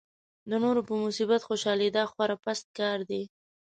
د نورو په مصیبت خوشالېدا خورا پست کار دی.